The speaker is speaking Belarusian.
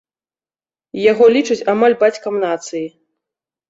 Яго лічаць амаль бацькам нацыі.